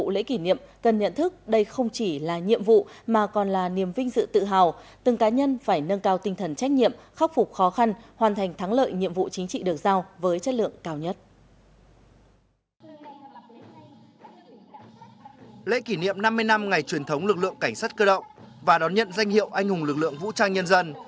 lễ kỷ niệm năm mươi năm ngày truyền thống lực lượng cảnh sát cơ động và đón nhận danh hiệu anh hùng lực lượng vũ trang nhân dân